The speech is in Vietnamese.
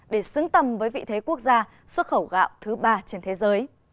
để xứng tầm với vị thế quốc gia xuất khẩu gạo thứ ba trên thế giới